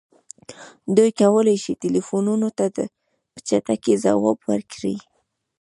دوی کولی شي ټیلیفونونو ته په چټکۍ ځواب ورکړي